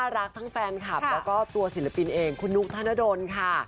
รักทั้งแฟนคลับแล้วก็ตัวศิลปินเองคุณนุ๊กธนดลค่ะ